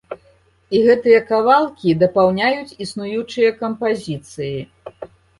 І гэтыя кавалкі дапаўняюць існуючыя кампазіцыі.